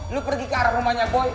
lu pergi ke arah rumahnya boy